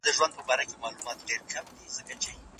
ایا پییر د خپل ژوند هدف وموند؟